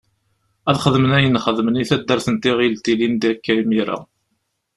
Ad xedmen ayen xedmen i taddart n Tiɣilt ilindi akka imira.